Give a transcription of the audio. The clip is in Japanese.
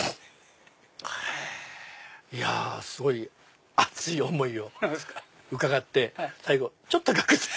いやすごい熱い思いを伺って最後ちょっとガクっと。